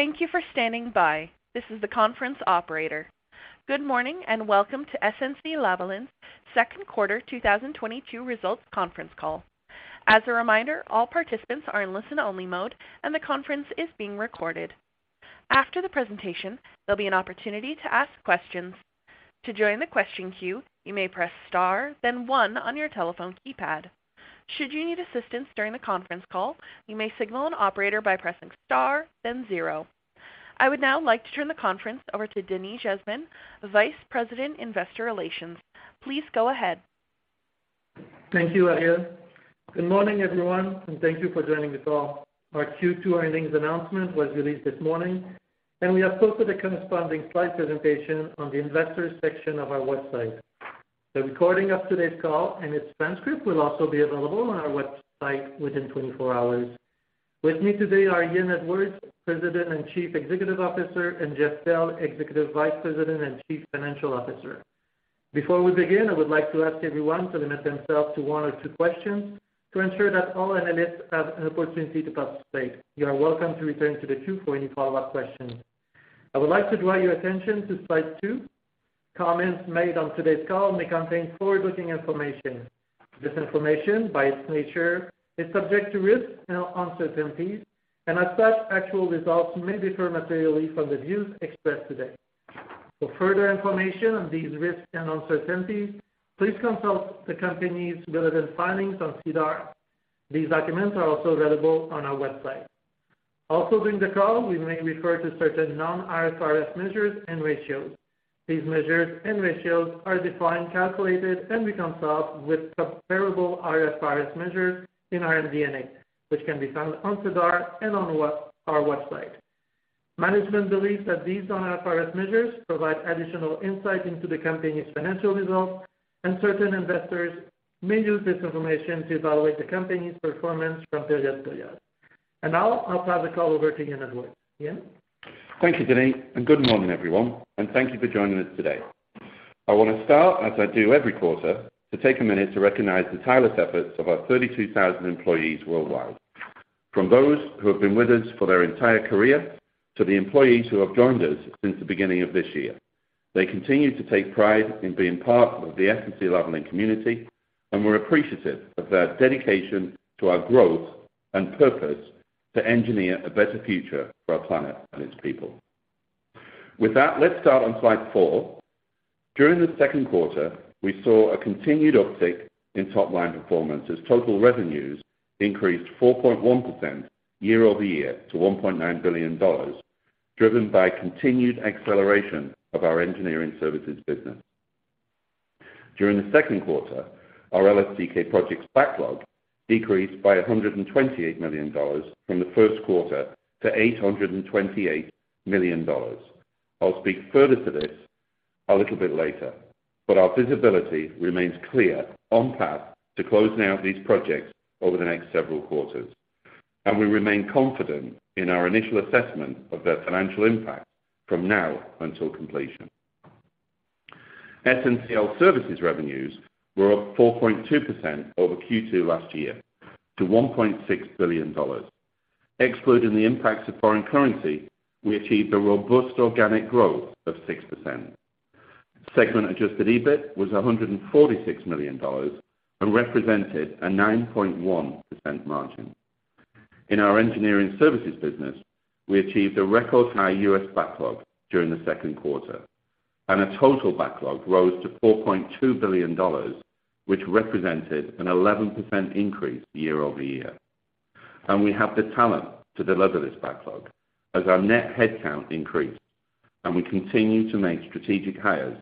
Thank you for standing by. This is the conference operator. Good morning and welcome to SNC-Lavalin Second Quarter 2022 Results Conference Call. As a reminder, all participants are in listen only mode and the conference is being recorded. After the presentation, there'll be an opportunity to ask questions. To join the question queue you may press star then one on your telephone keypad. Should you need assistance during the conference call, you may signal an operator by pressing star then zero. I would now like to turn the conference over to Denis Jasmin, Vice President, Investor Relations. Please go ahead. Thank you, Ariel. Good morning, everyone, and thank you for joining the call. Our Q2 Earnings Announcement was released this morning, and we have posted a corresponding slide presentation on the investors section of our website. The recording of today's call and its transcript will also be available on our website within 24 hours. With me today are Ian Edwards, President and Chief Executive Officer, and Jeff Bell, Executive Vice President and Chief Financial Officer. Before we begin, I would like to ask everyone to limit themselves to one or two questions to ensure that all analysts have an opportunity to participate. You are welcome to return to the queue for any follow-up questions. I would like to draw your attention to slide 2. Comments made on today's call may contain forward-looking information. This information, by its nature, is subject to risks and uncertainties, and as such, actual results may differ materially from the views expressed today. For further information on these risks and uncertainties, please consult the company's relevant filings on SEDAR. These documents are also available on our website. Also during the call, we may refer to certain non-IFRS measures and ratios. These measures and ratios are defined, calculated and reconciled with comparable IFRS measures in our MD&A, which can be found on SEDAR and on our website. Management believes that these non-IFRS measures provide additional insight into the company's financial results, and certain investors may use this information to evaluate the company's performance from period to period. Now I'll pass the call over to Ian Edwards. Ian? Thank you, Denis, and good morning, everyone, and thank you for joining us today. I wanna start, as I do every quarter, to take a minute to recognize the tireless efforts of our 32,000 employees worldwide. From those who have been with us for their entire career to the employees who have joined us since the beginning of this year, they continue to take pride in being part of the SNC-Lavalin community, and we're appreciative of their dedication to our growth and purpose to engineer a better future for our planet and its people. With that, let's start on slide four. During the second quarter, we saw a continued uptick in top-line performance as total revenues increased 4.1% year-over-year to 1.9 billion dollars, driven by continued acceleration of our engineering services business. During the second quarter, our LSTK projects backlog decreased by 128 million dollars from the first quarter to 828 million dollars. I'll speak further to this a little bit later, but our visibility remains clear on path to closing out these projects over the next several quarters, and we remain confident in our initial assessment of their financial impact from now until completion. SNCL services revenues were up 4.2% over Q2 last year to 1.6 billion dollars. Excluding the impacts of foreign currency, we achieved a robust organic growth of 6%. Segment adjusted EBIT was 146 million dollars and represented a 9.1% margin. In our engineering services business, we achieved a record high U.S. backlog during the second quarter, and a total backlog rose to 4.2 billion dollars, which represented an 11% increase year-over-year. We have the talent to deliver this backlog as our net headcount increased, and we continue to make strategic hires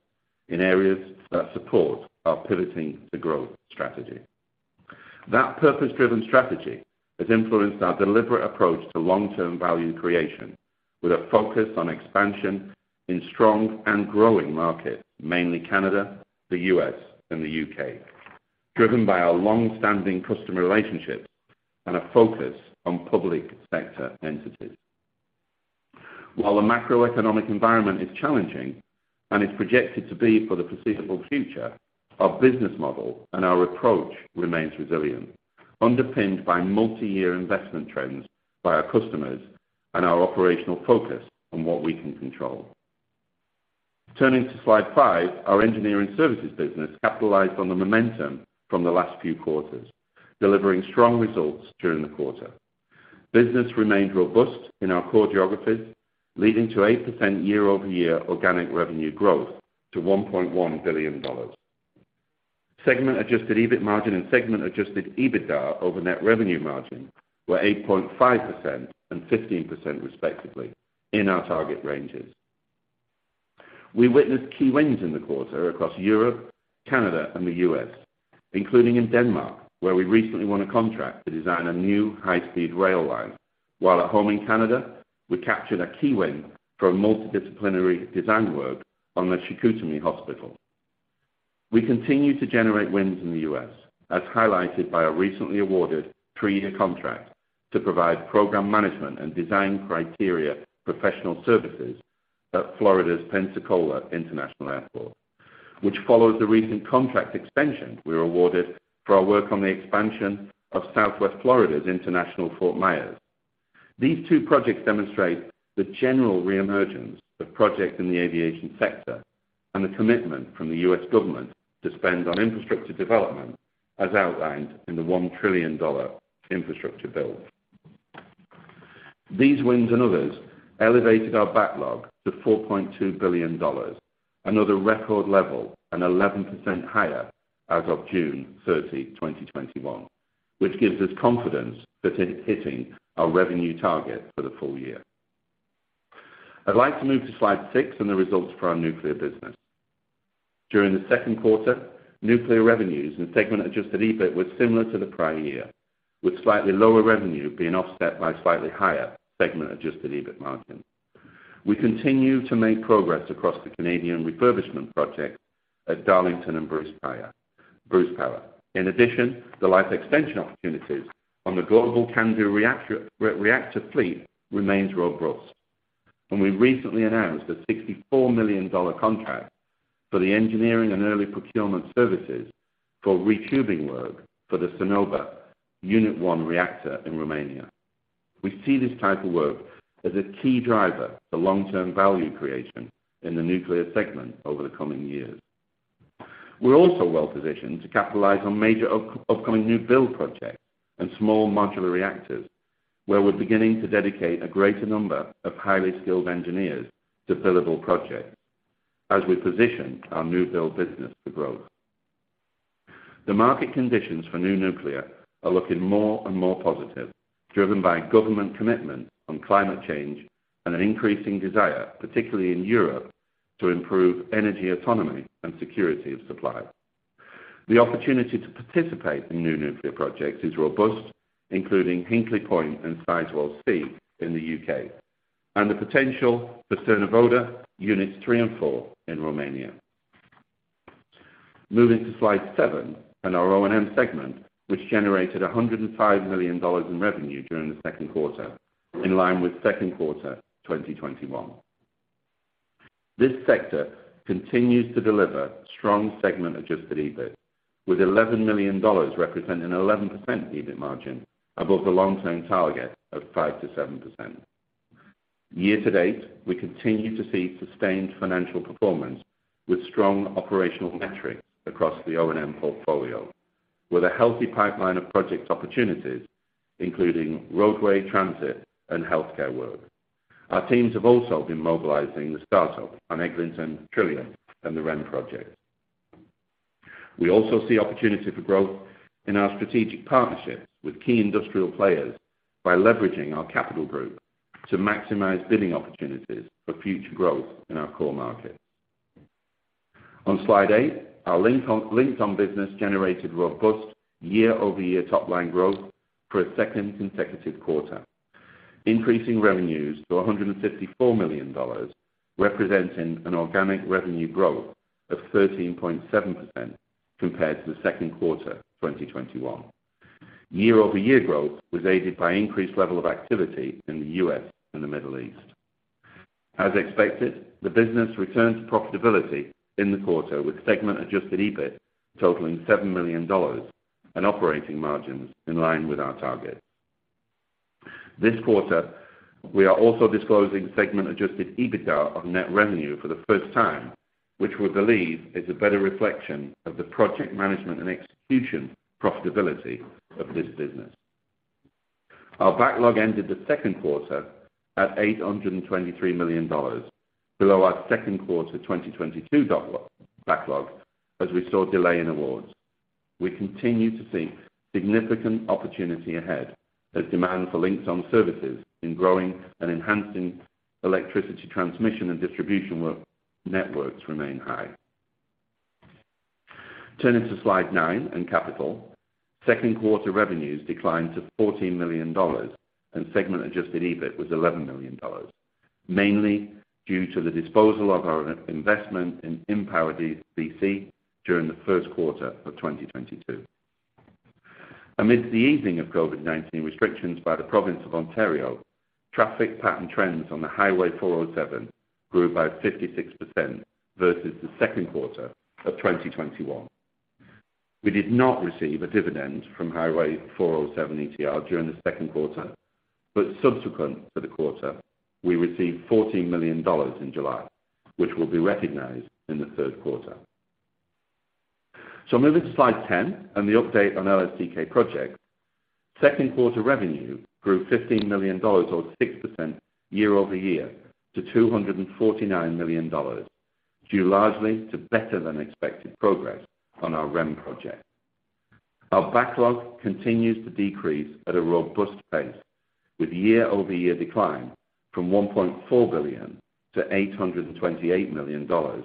in areas that support our Pivoting to Growth strategy. That purpose-driven strategy has influenced our deliberate approach to long-term value creation with a focus on expansion in strong and growing markets, mainly Canada, the U.S. and the U.K., driven by our long-standing customer relationships and a focus on public sector entities. While the macroeconomic environment is challenging and is projected to be for the foreseeable future, our business model and our approach remains resilient, underpinned by multi-year investment trends by our customers and our operational focus on what we can control. Turning to slide five, our engineering services business capitalized on the momentum from the last few quarters, delivering strong results during the quarter. Business remained robust in our core geographies, leading to 8% year-over-year organic revenue growth to 1.1 billion dollars. Segment adjusted EBIT margin and segment adjusted EBITDA over net revenue margin were 8.5% and 15% respectively in our target ranges. We witnessed key wins in the quarter across Europe, Canada and the U.S., including in Denmark, where we recently won a contract to design a new high-speed rail line. While at home in Canada, we captured a key win for a multidisciplinary design work on the Chicoutimi Hospital. We continue to generate wins in the U.S., as highlighted by a recently awarded 3-year contract to provide program management and design criteria professional services at Florida's Pensacola International Airport, which follows the recent contract expansion we were awarded for our work on the expansion of Southwest Florida International Airport. These two projects demonstrate the general re-emergence of projects in the aviation sector, and the commitment from the U.S. government to spend on infrastructure development as outlined in the $1 trillion infrastructure bill. These wins and others elevated our backlog to $4.2 billion, another record level and 11% higher as of June 30, 2021, which gives us confidence that in hitting our revenue target for the full year. I'd like to move to slide six and the results for our nuclear business. During the second quarter, nuclear revenues and segment adjusted EBIT was similar to the prior year, with slightly lower revenue being offset by slightly higher segment adjusted EBIT margin. We continue to make progress across the Canadian refurbishment project at Darlington and Bruce Power. In addition, the life extension opportunities on the global CANDU reactor fleet remains robust. We recently announced a 64 million dollar contract for the engineering and early procurement services for retubing work for the Cernavodă Unit One reactor in Romania. We see this type of work as a key driver for long-term value creation in the nuclear segment over the coming years. We're also well-positioned to capitalize on major upcoming new build projects and small modular reactors, where we're beginning to dedicate a greater number of highly skilled engineers to billable projects as we position our new build business for growth. The market conditions for new nuclear are looking more and more positive, driven by government commitment on climate change and an increasing desire, particularly in Europe, to improve energy autonomy and security of supply. The opportunity to participate in new nuclear projects is robust, including Hinkley Point and Sizewell C in the UK, and the potential for Cernavoda Units 3 and 4 in Romania. Moving to slide 7 and our O&M segment, which generated 105 million dollars in revenue during the second quarter, in line with second quarter 2021. This sector continues to deliver strong segment-adjusted EBIT, with 11 million representing 11% EBIT margin above the long-term target of 5%-7%. Year to date, we continue to see sustained financial performance with strong operational metrics across the O&M portfolio, with a healthy pipeline of project opportunities, including roadway transit and healthcare work. Our teams have also been mobilizing the start-up on Eglinton, Trillium, and the REM projects. We also see opportunity for growth in our strategic partnerships with key industrial players by leveraging our capital group to maximize bidding opportunities for future growth in our core markets. On slide eight, our Linxon business generated robust year-over-year top-line growth for a second consecutive quarter, increasing revenues to 154 million dollars, representing an organic revenue growth of 13.7% compared to the second quarter 2021. Year-over-year growth was aided by increased level of activity in the U.S. and the Middle East. As expected, the business returned to profitability in the quarter with segment adjusted EBIT totaling 7 million dollars and operating margins in line with our target. This quarter, we are also disclosing segment adjusted EBITDA of net revenue for the first time, which we believe is a better reflection of the project management and execution profitability of this business. Our backlog ended the second quarter at 823 million dollars, below our second quarter 2022 backlog, as we saw a delay in awards. We continue to see significant opportunity ahead as demand for Linxon services in growing and enhancing electricity transmission and distribution work networks remain high. Turning to Slide 9 and Capital. Second quarter revenues declined to 14 million dollars and segment adjusted EBIT was 11 million dollars, mainly due to the disposal of our investment in InPower BC during the first quarter of 2022. Amidst the easing of COVID-19 restrictions by the province of Ontario, traffic pattern trends on the Highway 407 grew by 56% versus the second quarter of 2021. We did not receive a dividend from Highway 407 ETR during the second quarter, but subsequent to the quarter, we received 14 million dollars in July, which will be recognized in the third quarter. Moving to slide 10 and the update on LSTK projects. Second quarter revenue grew 15 million dollars or 6% year-over-year to 249 million dollars, due largely to better than expected progress on our REM project. Our backlog continues to decrease at a robust pace with year-over-year decline from 1.4 billion to 828 million dollars,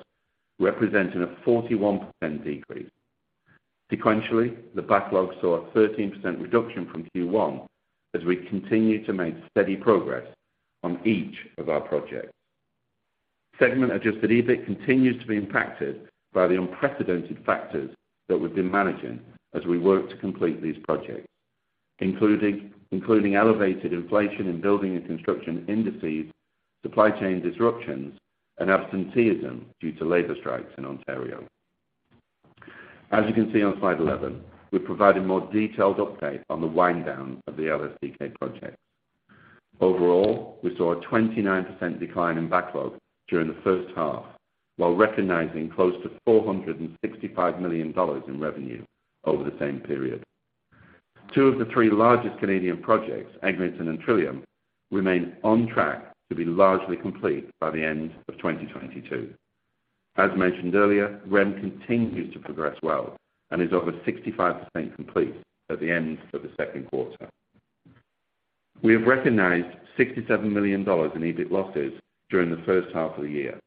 representing a 41% decrease. Sequentially, the backlog saw a 13% reduction from Q1 as we continue to make steady progress on each of our projects. Segment adjusted EBIT continues to be impacted by the unprecedented factors that we've been managing as we work to complete these projects. Including elevated inflation in building and construction indices, supply chain disruptions, and absenteeism due to labor strikes in Ontario. As you can see on slide 11, we provided more detailed update on the wind down of the LSTK project. Overall, we saw a 29% decline in backlog during the first half, while recognizing close to 465 million dollars in revenue over the same period. Two of the three largest Canadian projects, Eglinton and Trillium, remain on track to be largely complete by the end of 2022. As mentioned earlier, REM continues to progress well and is over 65% complete at the end of the second quarter. We have recognized 67 million dollars in EBIT losses during the first half of the year,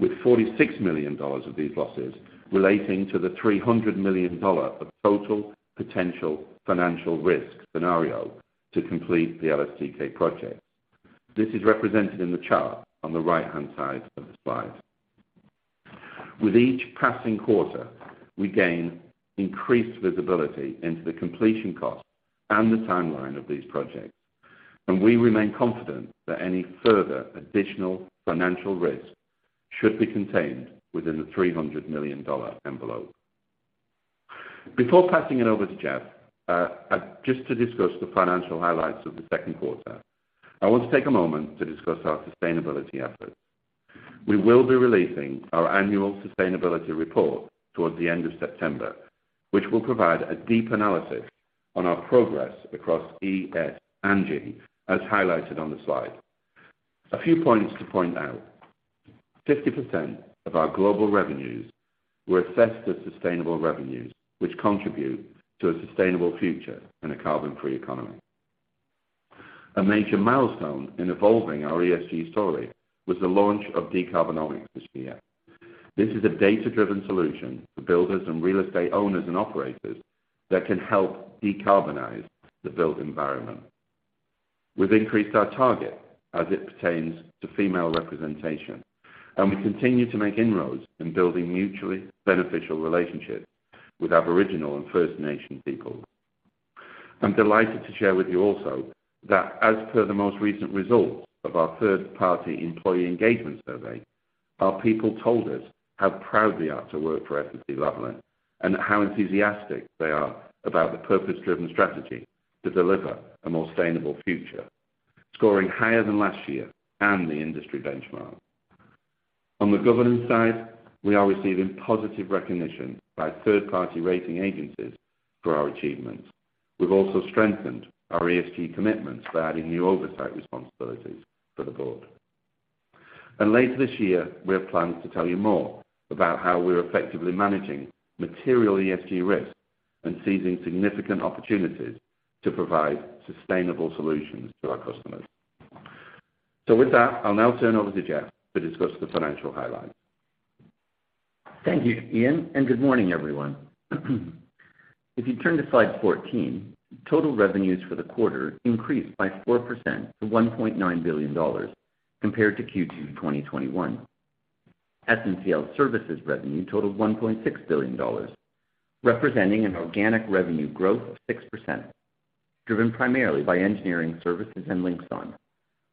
with 46 million dollars of these losses relating to the 300 million dollar of total potential financial risk scenario to complete the LSTK project. This is represented in the chart on the right-hand side of the slide. With each passing quarter, we gain increased visibility into the completion cost and the timeline of these projects, and we remain confident that any further additional financial risk should be contained within the 300 million dollar envelope. Before passing it over to Jeff, just to discuss the financial highlights of the second quarter, I want to take a moment to discuss our sustainability efforts. We will be releasing our annual sustainability report towards the end of September, which will provide a deep analysis on our progress across ESG, as highlighted on the slide. A few points to point out. 50% of our global revenues were assessed as sustainable revenues, which contribute to a sustainable future and a carbon-free economy. A major milestone in evolving our ESG story was the launch of Decarbonomics this year. This is a data-driven solution for builders and real estate owners and operators that can help decarbonize the built environment. We've increased our target as it pertains to female representation, and we continue to make inroads in building mutually beneficial relationships with Aboriginal and First Nation people. I'm delighted to share with you also that as per the most recent results of our third-party employee engagement survey, our people told us how proud they are to work for SNC-Lavalin and how enthusiastic they are about the purpose-driven strategy to deliver a more sustainable future, scoring higher than last year and the industry benchmark. On the governance side, we are receiving positive recognition by third-party rating agencies for our achievements. We've also strengthened our ESG commitments by adding new oversight responsibilities for the board. Later this year, we have plans to tell you more about how we're effectively managing material ESG risks and seizing significant opportunities to provide sustainable solutions to our customers. With that, I'll now turn over to Jeff to discuss the financial highlights. Thank you, Ian, and good morning, everyone. If you turn to slide 14, total revenues for the quarter increased by 4% to 1.9 billion dollars compared to Q2 2021. SNCL services revenue totaled 1.6 billion dollars, representing an organic revenue growth of 6%, driven primarily by engineering services and Linxon,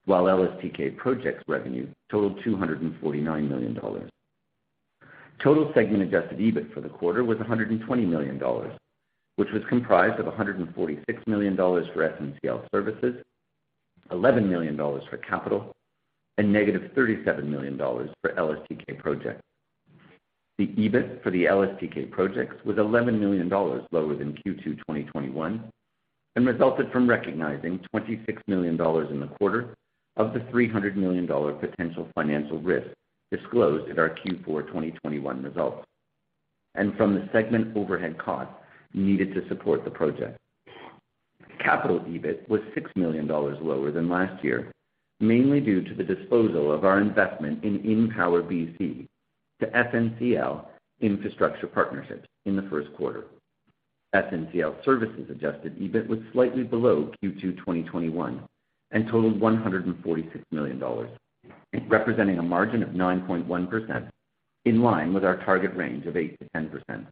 while LSTK projects revenue totaled 249 million dollars. Total segment adjusted EBIT for the quarter was 120 million dollars, which was comprised of 146 million dollars for SNCL services, 11 million dollars for capital, and -37 million dollars for LSTK projects. The EBIT for the LSTK projects was 11 million dollars lower than Q2 2021 and resulted from recognizing 26 million dollars in the quarter of the 300 million dollar potential financial risk disclosed at our Q4 2021 results, and from the segment overhead costs needed to support the project. Capital EBIT was 6 million dollars lower than last year, mainly due to the disposal of our investment in InPower BC to SNC-Lavalin Infrastructure Partners LP in the first quarter. SNC-Lavalin Services adjusted EBIT was slightly below Q2 2021 and totaled 146 million dollars, representing a margin of 9.1% in line with our target range of 8%-10%.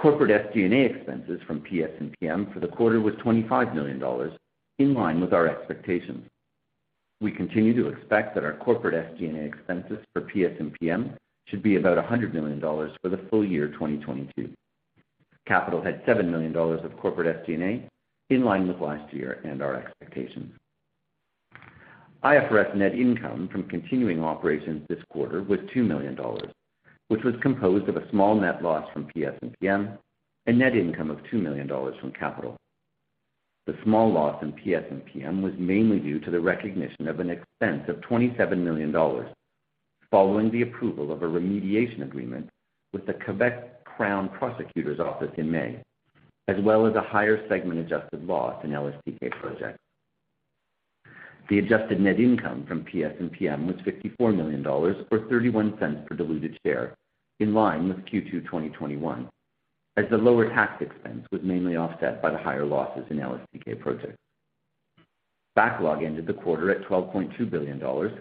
Corporate SG&A expenses from PS&PM for the quarter was 25 million dollars in line with our expectations. We continue to expect that our corporate SG&A expenses for PS&PM should be about 100 million dollars for the full year 2022. Capital had 7 million dollars of corporate SG&A in line with last year and our expectations. IFRS net income from continuing operations this quarter was 2 million dollars, which was composed of a small net loss from PS&PM and net income of 2 million dollars from capital. The small loss in PS&PM was mainly due to the recognition of an expense of 27 million dollars following the approval of a remediation agreement with the Quebec Crown Prosecutor's Office in May, as well as a higher segment-adjusted loss in LSTK projects. The adjusted net income from PS&PM was 54 million dollars, or 0.31 per diluted share in line with Q2 2021, as the lower tax expense was mainly offset by the higher losses in LSTK projects. Backlog ended the quarter at 12.2 billion dollars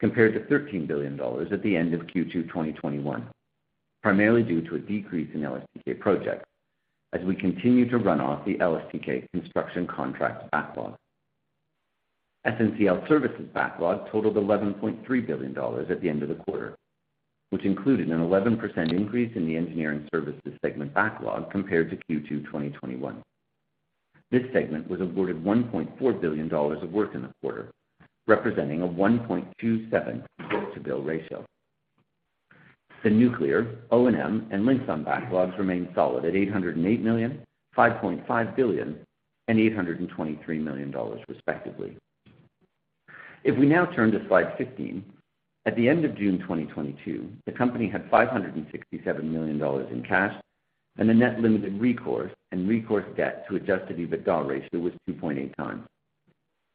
compared to 13 billion dollars at the end of Q2 2021, primarily due to a decrease in LSTK projects as we continue to run off the LSTK construction contract backlog. SNCL Services backlog totaled 11.3 billion dollars at the end of the quarter, which included an 11% increase in the engineering services segment backlog compared to Q2 2021. This segment was awarded 1.4 billion dollars of work in the quarter, representing a 1.27 book-to-bill ratio. The nuclear O&M and Linxon backlogs remained solid at 808 million, 5.5 billion, and 823 million dollars, respectively. If we now turn to slide 15, at the end of June 2022, the company had 567 million dollars in cash and the net limited recourse and recourse debt to adjusted EBITDA ratio was 2.8x.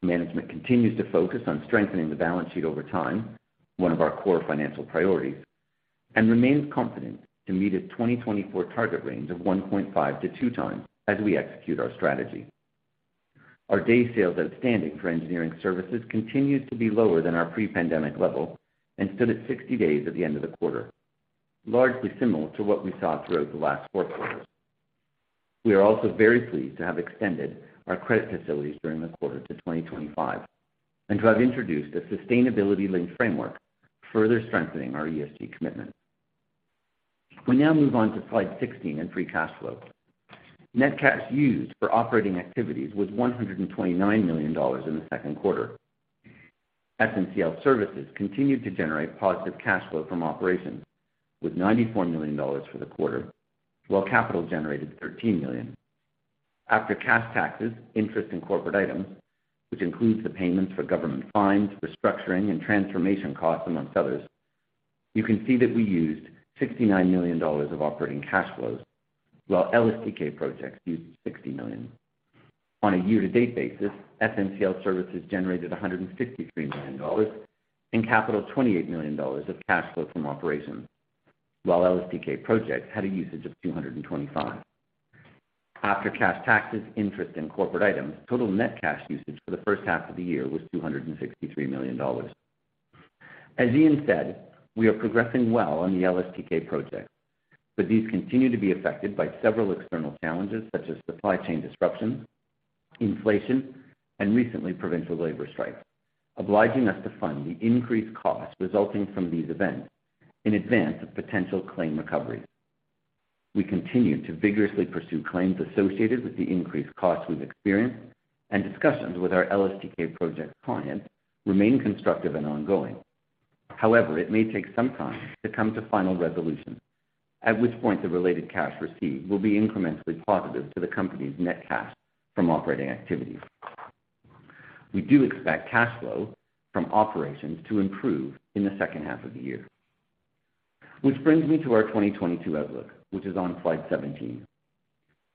Management continues to focus on strengthening the balance sheet over time, one of our core financial priorities, and remains confident to meet its 2024 target range of 1.5x-2x as we execute our strategy. Our day sales outstanding for engineering services continued to be lower than our pre-pandemic level and stood at 60 days at the end of the quarter, largely similar to what we saw throughout the last four quarters. We are also very pleased to have extended our credit facilities during the quarter to 2025 and to have introduced a sustainability-linked framework, further strengthening our ESG commitment. We now move on to slide 16 and free cash flow. Net cash used for operating activities was 129 million dollars in the second quarter. SNCL Services continued to generate positive cash flow from operations with 94 million dollars for the quarter, while capital generated 13 million. After cash taxes, interest, and corporate items, which includes the payments for government fines, restructuring, and transformation costs, among others, you can see that we used 69 million dollars of operating cash flows, while LSTK projects used 60 million. On a year-to-date basis, SNCL Services generated 163 million dollars and capital 28 million dollars of cash flow from operations, while LSTK projects had a usage of 225 million. After cash taxes, interest, and corporate items, total net cash usage for the first half of the year was 263 million dollars. As Ian said, we are progressing well on the LSTK projects, but these continue to be affected by several external challenges such as supply chain disruptions, inflation, and recently, provincial labor strikes, obliging us to fund the increased costs resulting from these events in advance of potential claim recoveries. We continue to vigorously pursue claims associated with the increased costs we've experienced, and discussions with our LSTK project clients remain constructive and ongoing. However, it may take some time to come to final resolution, at which point the related cash received will be incrementally positive to the company's net cash from operating activities. We do expect cash flow from operations to improve in the second half of the year. Which brings me to our 2022 outlook, which is on slide 17.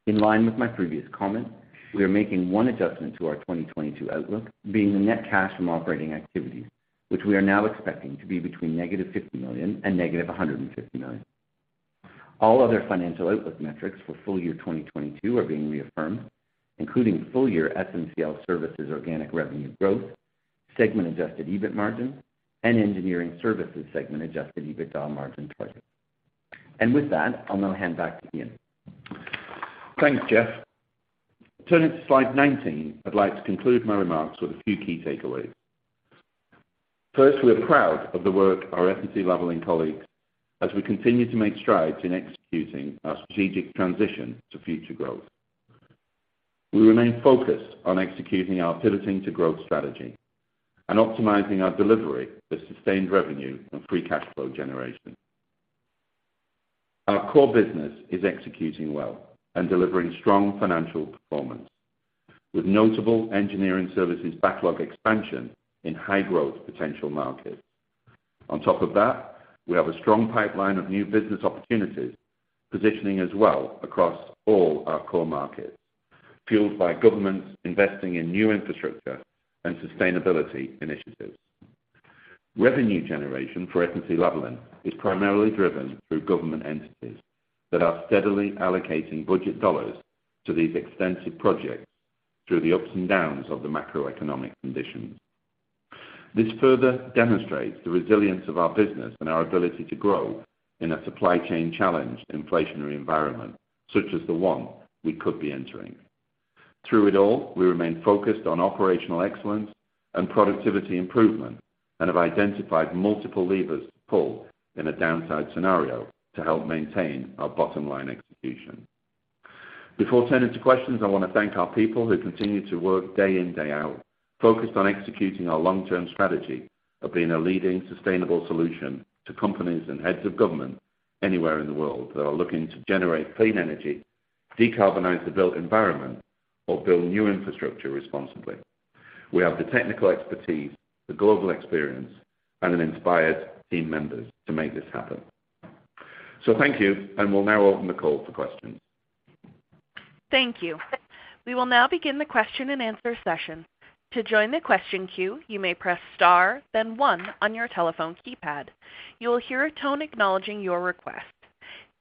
In line with my previous comment, we are making one adjustment to our 2022 outlook, being the net cash from operating activities, which we are now expecting to be between -50 million and -150 million. All other financial outlook metrics for full year 2022 are being reaffirmed, including full year SNCL Services organic revenue growth, segment adjusted EBIT margin, and engineering services segment adjusted EBITDA margin targets. With that, I'll now hand back to Ian. Thanks, Jeff. Turning to slide 19, I'd like to conclude my remarks with a few key takeaways. First, we are proud of the work our Engineering & Construction colleagues, as we continue to make strides in executing our strategic transition to future growth. We remain focused on executing our Pivoting to Growth strategy and optimizing our delivery for sustained revenue and free cash flow generation. Our core business is executing well and delivering strong financial performance, with notable engineering services backlog expansion in high-growth potential markets. On top of that, we have a strong pipeline of new business opportunities, positioning us well across all our core markets, fueled by governments investing in new infrastructure and sustainability initiatives. Revenue generation for Engineering & Construction is primarily driven through government entities that are steadily allocating budget dollars to these extensive projects through the ups and downs of the macroeconomic conditions. This further demonstrates the resilience of our business and our ability to grow in a supply chain challenged inflationary environment, such as the one we could be entering. Through it all, we remain focused on operational excellence and productivity improvement and have identified multiple levers to pull in a downside scenario to help maintain our bottom-line execution. Before turning to questions, I wanna thank our people who continue to work day in, day out, focused on executing our long-term strategy of being a leading sustainable solution to companies and heads of government anywhere in the world that are looking to generate clean energy, decarbonize the built environment or build new infrastructure responsibly. We have the technical expertise, the global experience, and an inspired team members to make this happen. Thank you, and we'll now open the call for questions. Thank you. We will now begin the question and answer session. To join the question queue, you may press star then one on your telephone keypad. You will hear a tone acknowledging your request.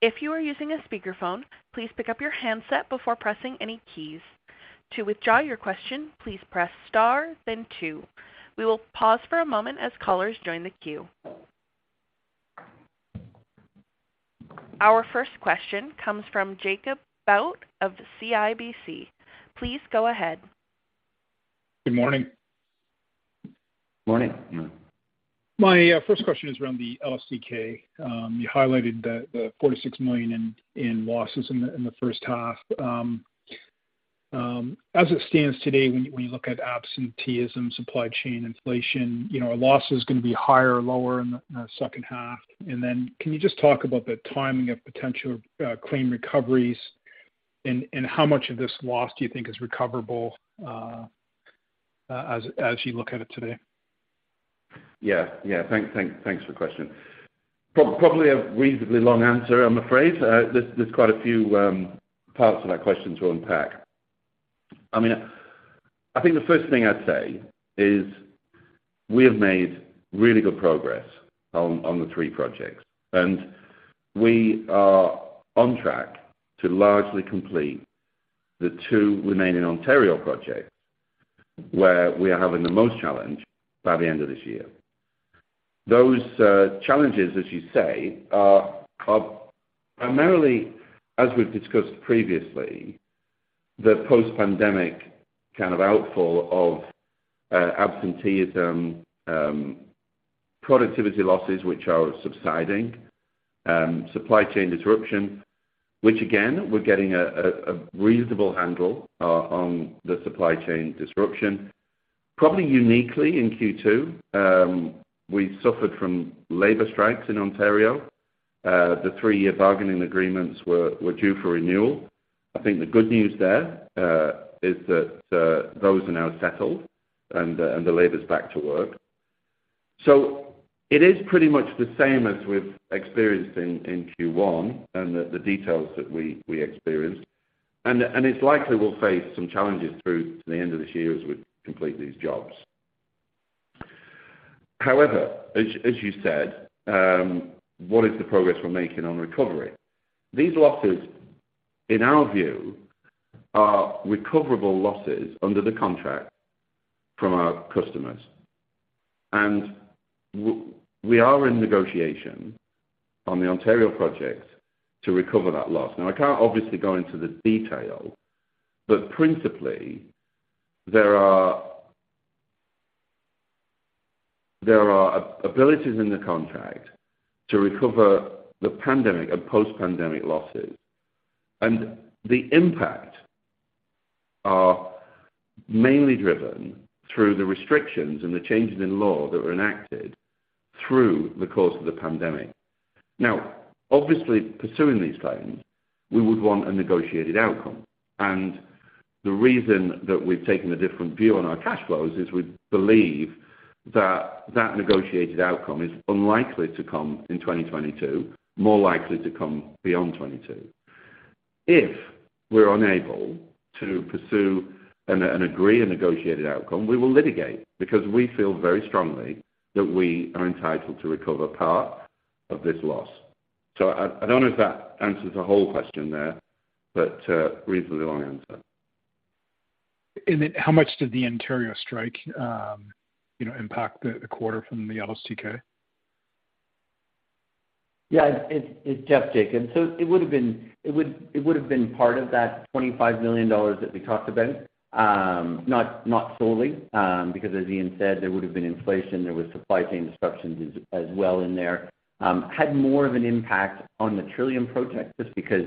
If you are using a speakerphone, please pick up your handset before pressing any keys. To withdraw your question, please press star then two. We will pause for a moment as callers join the queue. Our first question comes from Jacob Bout of CIBC. Please go ahead. Good morning. Morning. My first question is around the LSTK. You highlighted the 46 million in losses in the first half. As it stands today, when you look at absenteeism, supply chain inflation, you know, are losses gonna be higher or lower in the second half? Can you just talk about the timing of potential claim recoveries and how much of this loss do you think is recoverable, as you look at it today? Thanks for the question. Probably a reasonably long answer, I'm afraid. There's quite a few parts of that question to unpack. I mean, I think the first thing I'd say is we have made really good progress on the three projects, and we are on track to largely complete the two remaining Ontario projects, where we are having the most challenge, by the end of this year. Those challenges, as you say, are primarily, as we've discussed previously, the post-pandemic kind of outfall of absenteeism, productivity losses, which are subsiding, supply chain disruption, which again, we're getting a reasonable handle on the supply chain disruption. Probably uniquely in Q2, we suffered from labor strikes in Ontario. The three-year bargaining agreements were due for renewal. I think the good news there is that those are now settled and the labor's back to work. It is pretty much the same as we've experienced in Q1 and the details that we experienced. It's likely we'll face some challenges through to the end of this year as we complete these jobs. However, as you said, what is the progress we're making on recovery? These losses, in our view, are recoverable losses under the contract from our customers. We are in negotiation on the Ontario project to recover that loss. Now, I can't obviously go into the detail, but principally there are abilities in the contract to recover the pandemic and post-pandemic losses. The impact are mainly driven through the restrictions and the changes in law that were enacted through the course of the pandemic. Now, obviously, pursuing these claims, we would want a negotiated outcome. The reason that we've taken a different view on our cash flows is we believe that negotiated outcome is unlikely to come in 2022, more likely to come beyond 2022. If we're unable to pursue and agree a negotiated outcome, we will litigate because we feel very strongly that we are entitled to recover part of this loss. I don't know if that answers the whole question there, but reasonably long answer. How much did the Ontario strike impact the quarter from the LSTK? It's Jeff, Jacob. It would've been part of that 25 million dollars that we talked about. Not solely, because as Ian said, there would've been inflation. There was supply chain disruptions as well in there. It had more of an impact on the Trillium project just because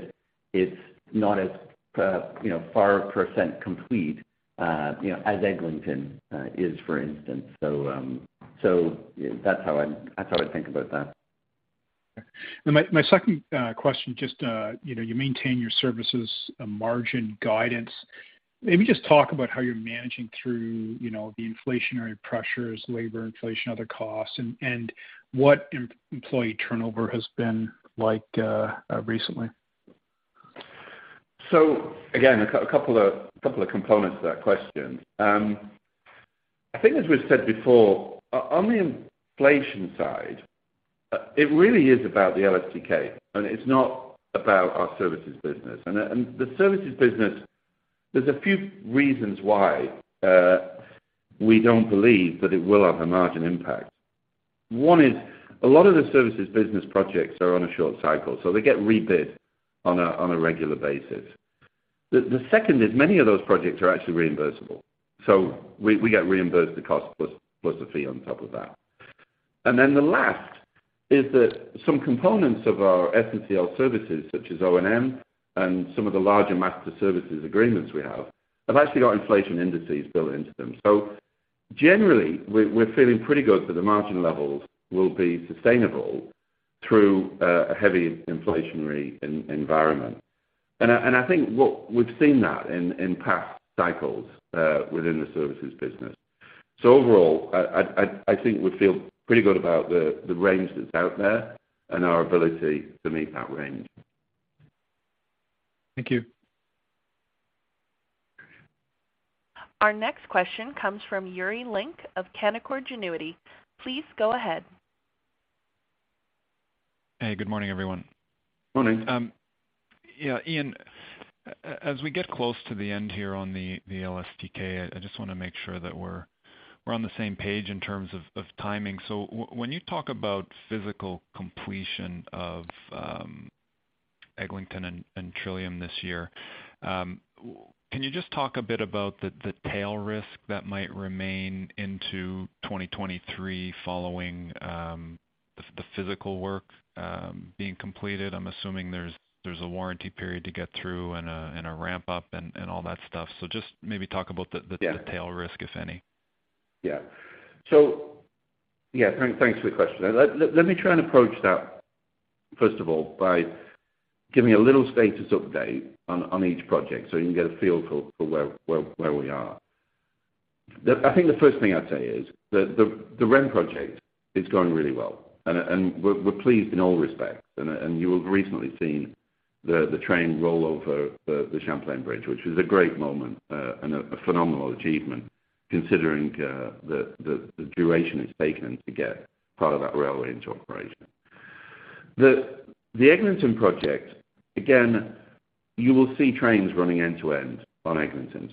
it's not as, you know, 40% complete, you know, as Eglinton is, for instance. That's how I think about that. My second question, just you maintain your services margin guidance. Maybe just talk about how you're managing through the inflationary pressures, labor inflation, other costs and what employee turnover has been like recently. Again, a couple of components to that question. I think as we've said before, on the inflation side, it really is about the LSTK, and it's not about our services business. The services business, there's a few reasons why we don't believe that it will have a margin impact. One is a lot of the services business projects are on a short cycle, so they get rebid on a regular basis. The second is many of those projects are actually reimbursable, so we get reimbursed the cost plus a fee on top of that. Then the last is that some components of our SNCL services such as O&M and some of the larger master services agreements we have actually got inflation indices built into them. Generally, we're feeling pretty good that the margin levels will be sustainable through a heavy inflationary environment. I think what we've seen that in past cycles within the services business. Overall, I think we feel pretty good about the range that's out there and our ability to meet that range. Thank you. Our next question comes from Yuri Lynk of Canaccord Genuity. Please go ahead. Hey, good morning, everyone. Morning. Ian, as we get close to the end here on the LSTK, I just wanna make sure that we're on the same page in terms of timing. When you talk about physical completion of Eglinton and Trillium this year, can you just talk a bit about the tail risk that might remain into 2023 following the physical work being completed? I'm assuming there's a warranty period to get through and a ramp-up and all that stuff. Just maybe talk about the tail risk, if any. Thanks for the question. Let me try and approach that, first of all, by giving a little status update on each project so you can get a feel for where we are. I think the first thing I'd say is the REM project is going really well, and we're pleased in all respects. You have recently seen the train roll over the Champlain Bridge, which was a great moment, and a phenomenal achievement considering the duration it's taken to get part of that railway into operation. The Eglinton project, again, you will see trains running end to end on Eglinton.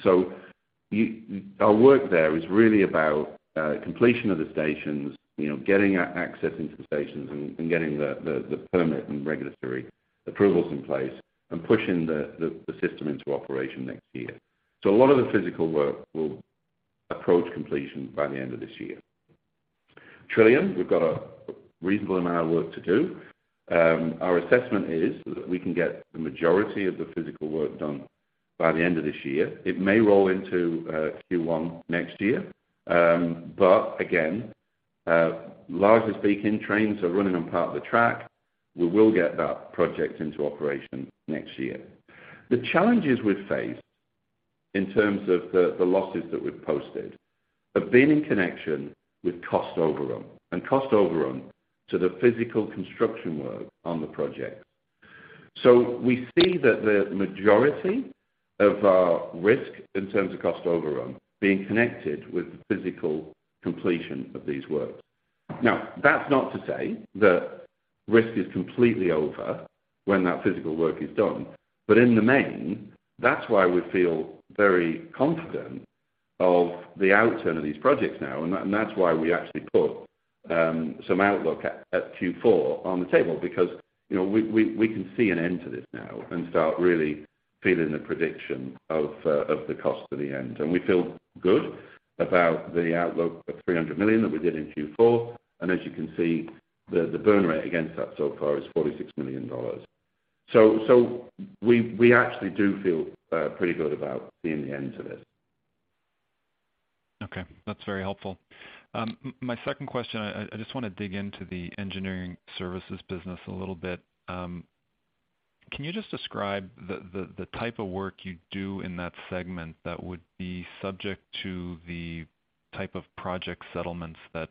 Our work there is really about completion of the stations, you know, getting access into the stations, and getting the permit and regulatory approvals in place and pushing the system into operation next year. A lot of the physical work will approach completion by the end of this year. Trillium, we've got a reasonable amount of work to do. Our assessment is that we can get the majority of the physical work done by the end of this year. It may roll into Q1 next year. Again, largely speaking, trains are running on part of the track. We will get that project into operation next year. The challenges we've faced in terms of the losses that we've posted have been in connection with cost overrun. Cost overrun to the physical construction work on the project. We see that the majority of our risk in terms of cost overrun being connected with the physical completion of these works. Now, that's not to say that risk is completely over when that physical work is done, but in the main, that's why we feel very confident of the outcome of these projects now. That's why we actually put some outlook at Q4 on the table because we can see an end to this now and start really feeling the prediction of the cost to the end. We feel good about the outlook of 300 million that we did in Q4. As you can see, the burn rate against that so far is 46 million dollars. We actually do feel pretty good about seeing the end to this. Okay. That's very helpful. My second question, I just wanna dig into the engineering services business a little bit. Can you just describe the type of work you do in that segment that would be subject to the type of project settlements that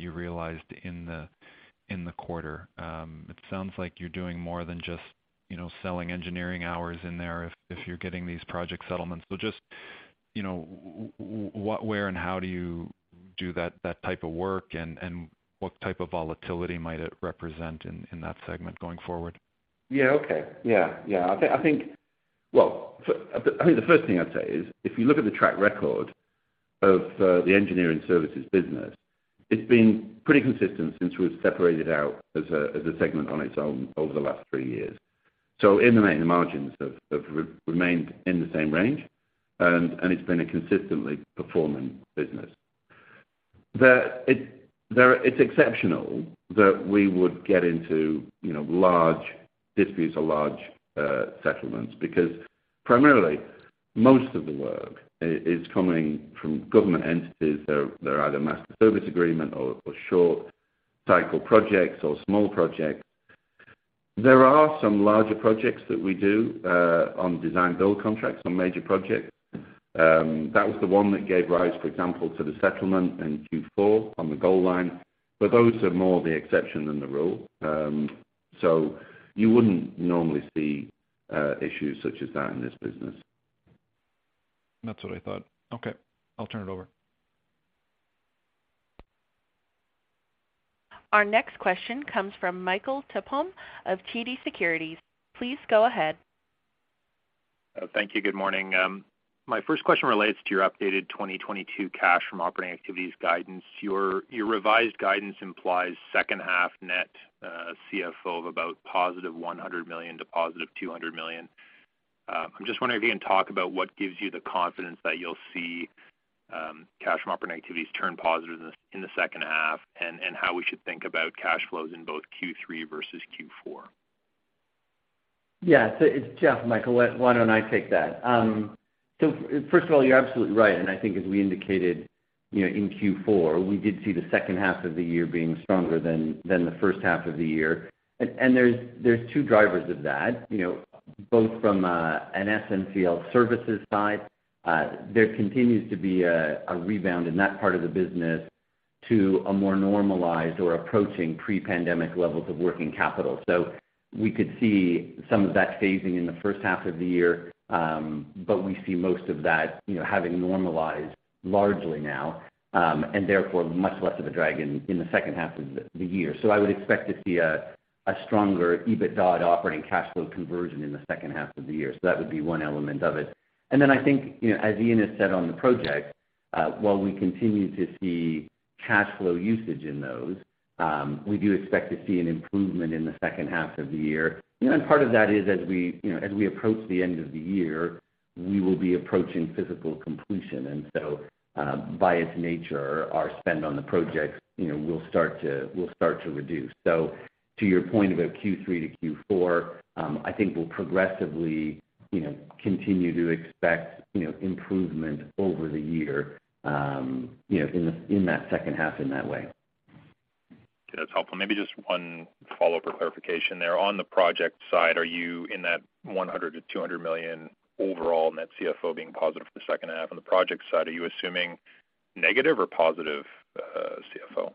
you realized in the quarter? It sounds like you're doing more than just, you know, selling engineering hours in there if you're getting these project settlements. Just, you know, what, where and how do you do that type of work? And what type of volatility might it represent in that segment going forward? I think the first thing I'd say is if you look at the track record of the engineering services business, it's been pretty consistent since we've separated out as a segment on its own over the last three years. In the main, the margins have remained in the same range. It's been a consistently performing business. It's exceptional that we would get into, you know, large disputes or large settlements because primarily, most of the work is coming from government entities. They're either master service agreement, short cycle projects or small projects. There are some larger projects that we do on design-build contracts on major projects. That was the one that gave rise, for example, to the settlement in Q4 on the Gold Line. Those are more the exception than the rule. You wouldn't normally see issues such as that in this business. That's what I thought. Okay, I'll turn it over. Our next question comes from Michael Tupholme of TD Securities. Please go ahead. Thank you. Good morning. My first question relates to your updated 2022 cash from operating activities guidance. Your revised guidance implies second-half net CFO of about +100 million to +200 million. I'm just wondering if you can talk about what gives you the confidence that you'll see cash from operating activities turn positive in the second half, and how we should think about cash flows in both Q3 versus Q4. It's Jeff, Michael. Why don't I take that? First of all, you're absolutely right. I think as we indicated, you know, in Q4, we did see the second half of the year being stronger than the first half of the year. There's two drivers of that. Both from an SNCL services side, there continues to be a rebound in that part of the business to a more normalized or approaching pre-pandemic levels of working capital. We could see some of that phasing in the first half of the year, but we see most of that, you know, having normalized largely now, and therefore much less of a drag in the second half of the year. I would expect to see a stronger EBITDA to operating cash flow conversion in the second half of the year. That would be one element of it. As Ian has said on the project, while we continue to see cash flow usage in those, we do expect to see an improvement in the second half of the year. Part of that is as we, you know, as we approach the end of the year, we will be approaching physical completion. By its nature, our spend on the projects, you know, will start to reduce. To your point about Q3 to Q4, I think we'll progressively continue to expect, you know, improvement over the year in that second half in that way. Okay, that's helpful. Maybe just one follow-up or clarification there. On the project side, are you in that 100 million to 200 million overall net CFO being positive for the second half on the project side? Are you assuming negative or positive, CFO?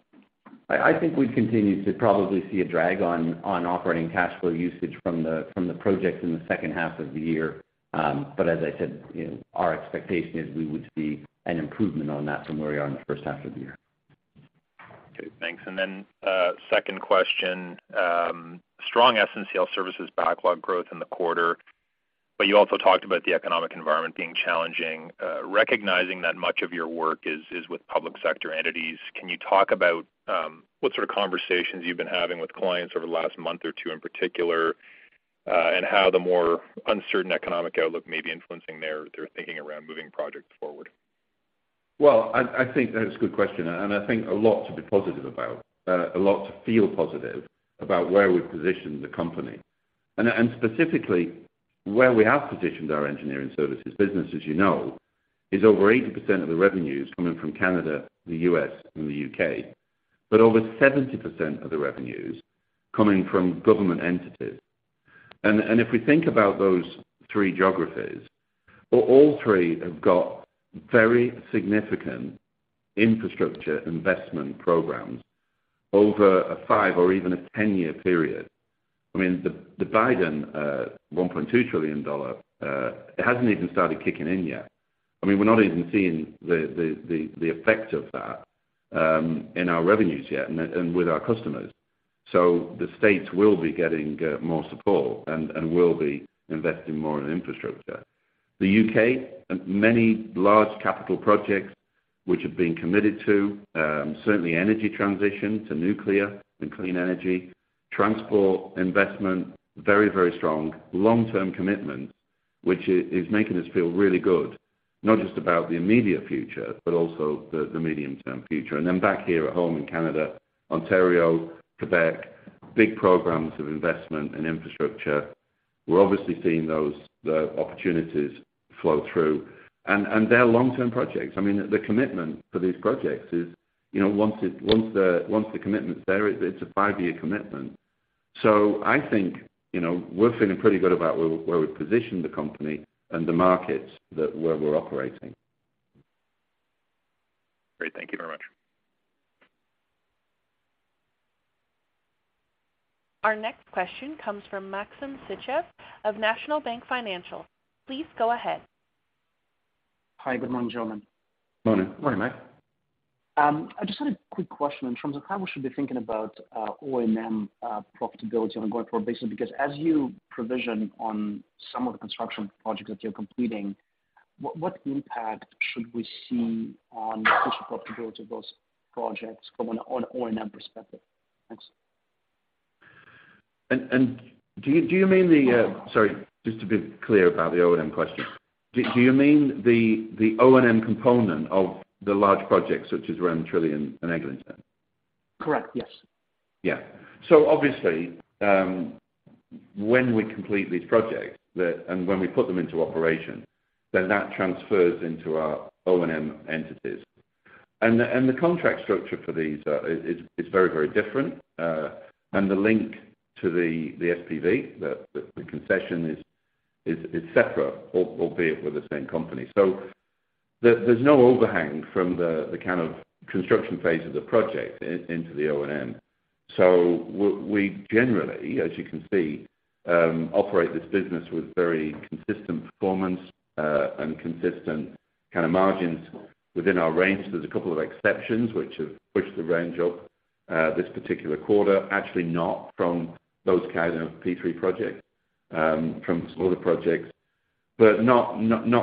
I think we continue to probably see a drag on operating cash flow usage from the projects in the second half of the year. As I said, you know, our expectation is we would see an improvement on that from where we are in the first half of the year. Okay, thanks. Second question. Strong SNCL services backlog growth in the quarter, but you also talked about the economic environment being challenging. Recognizing that much of your work is with public sector entities, can you talk about what sort of conversations you've been having with clients over the last month or two in particular, and how the more uncertain economic outlook may be influencing their thinking around moving projects forward? I think that's a good question, and I think a lot to be positive about, a lot to feel positive about where we've positioned the company. Specifically, where we have positioned our engineering services business, as you know, is over 80% of the revenues coming from Canada, the U.S. and the U.K. Over 70% of the revenues coming from government entities. If we think about those three geographies, all three have got very significant infrastructure investment programs over a five- or even 10-year period. I mean, the Biden $1.2 trillion, it hasn't even started kicking in yet. I mean, we're not even seeing the effect of that in our revenues yet and with our customers. The states will be getting more support and will be investing more in infrastructure. The U.K., many large capital projects which have been committed to, certainly energy transition to nuclear and clean energy, transport, investment, very, very strong long-term commitment, which is making us feel really good, not just about the immediate future, but also the medium-term future. Then back here at home in Canada, Ontario, Quebec, big programs of investment and infrastructure. We're obviously seeing those opportunities flow through. They're long-term projects. I mean, the commitment for these projects is, you know, once the commitment's there, it's a five-year commitment. I think, you know, we're feeling pretty good about where we've positioned the company and the markets where we're operating. Great. Thank you very much. Our next question comes from Maxim Sytchev of National Bank Financial. Please go ahead. Hi, good morning, gentlemen. Morning. Morning, Max. I just had a quick question in terms of how we should be thinking about O&M profitability on a going-forward basis, because as you provision on some of the construction projects that you're completing, what impact should we see on future profitability of those projects from an O&M perspective? Thanks. Sorry, just to be clear about the O&M question. Do you mean the O&M component of the large projects such as Trillium and Eglinton? Correct, yes. Obviously, when we complete these projects, and when we put them into operation, then that transfers into our O&M entities. The contract structure for these is very different. The link to the SPV, the concession is separate, albeit we're the same company. There is no overhang from the kind of construction phase of the project into the O&M. We generally, as you can see, operate this business with very consistent performance and consistent kind of margins within our range. There is a couple of exceptions which have pushed the range up, this particular quarter, actually not from those kind of P3 projects, from some other projects, but not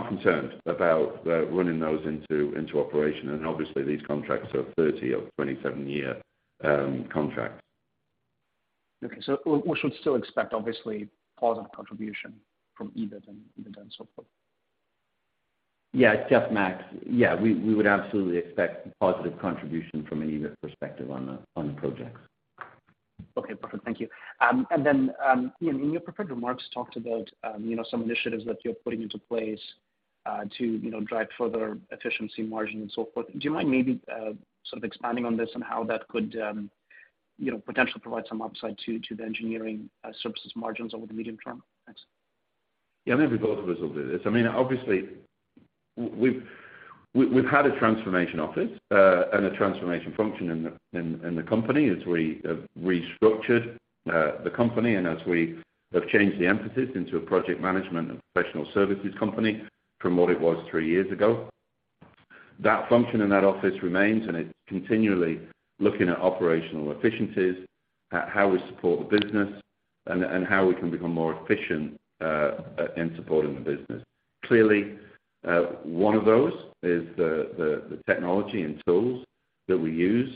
concerned about running those into operation. Obviously, these contracts are 30 or 27-year contracts. Okay. We should still expect obviously positive contribution from EBIT and so forth? Jeff, Max. We would absolutely expect positive contribution from an EBIT perspective on the projects. Perfect. Thank you. Ian, in your prepared remarks, you talked about, you know, some initiatives that you're putting into place, to drive further efficiency margin and so forth. Do you mind maybe, sort of expanding on this and how that could potentially provide some upside to the engineering services margins over the medium term? Thanks. Maybe both of us will do this. I mean, obviously we've had a transformation office and a transformation function in the company as we have restructured the company and as we have changed the emphasis into a project management and professional services company from what it was three years ago. That function in that office remains, and it's continually looking at operational efficiencies, at how we support the business and how we can become more efficient in supporting the business. Clearly, one of those is the technology and tools that we use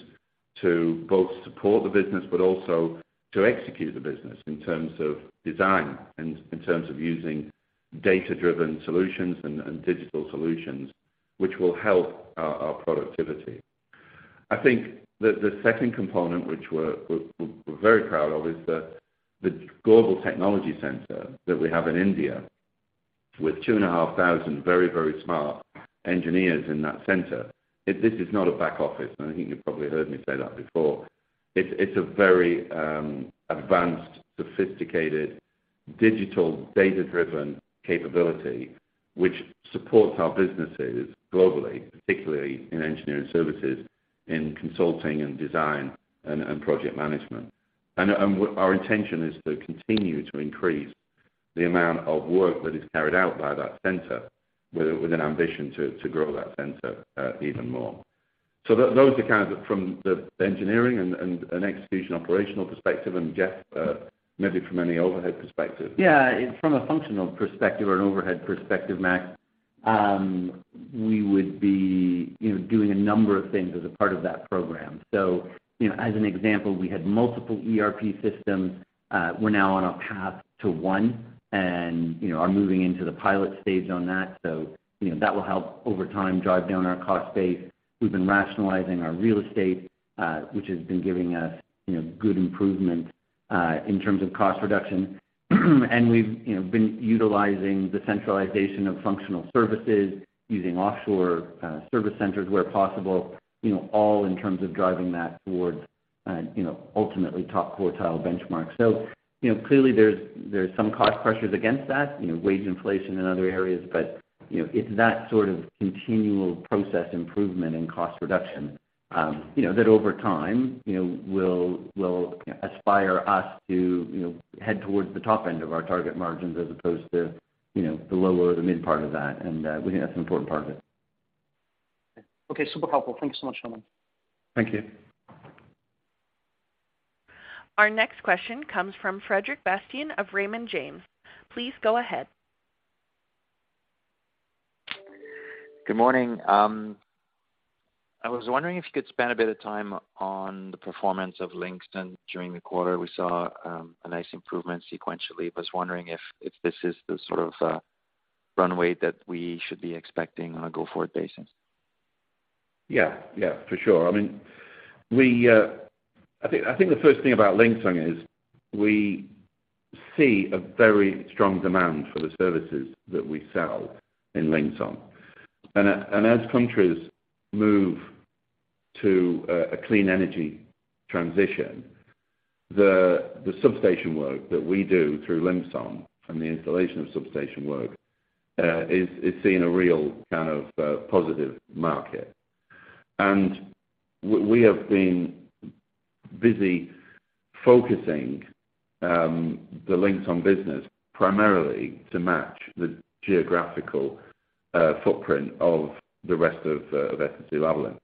to both support the business but also to execute the business in terms of design and in terms of using data-driven solutions and digital solutions, which will help our productivity. I think the second component, which we're very proud of, is the global technology center that we have in India with 2,500 very smart engineers in that center. This is not a back office, and I think you've probably heard me say that before. It's a very advanced, sophisticated, digital, data-driven capability which supports our businesses globally, particularly in engineering services, in consulting and design and project management. Our intention is to continue to increase the amount of work that is carried out by that center with an ambition to grow that center even more. Those are kind of from the engineering and execution operational perspective. Geoff, maybe from any overhead perspective. From a functional perspective or an overhead perspective, Max, we would be doing a number of things as a part of that program. As an example, we had multiple ERP systems, we're now on a path to one and, you know, are moving into the pilot stage on that. You know, that will help over time drive down our cost base. We've been rationalizing our real estate, which has been giving us good improvement in terms of cost reduction. We've been utilizing the centralization of functional services using offshore service centers where possible, you know, all in terms of driving that towards, you know, ultimately top quartile benchmarks. You know, clearly there's some cost pressures against that, you know, wage inflation in other areas. It's that continual process improvement and cost reduction that over time will aspire us to, you know, head towards the top end of our target margins as opposed to the lower or the mid part of that. We think that's an important part of it. Okay. Super helpful. Thank you so much, gentlemen. Thank you. Our next question comes from Frederic Bastien of Raymond James. Please go ahead. Good morning. I was wondering if you could spend a bit of time on the performance of Linxon during the quarter. We saw a nice improvement sequentially. I was wondering if this is the sort of runway that we should be expecting on a go-forward basis. We think the first thing about Linxon is we see a very strong demand for the services that we sell in Linxon. As countries move to a clean energy transition, the substation work that we do through Linxon and the installation of substation work is seeing a real kind of positive market. We have been busy focusing the Linxon business primarily to match the geographical footprint of the rest of SNC-Lavalin.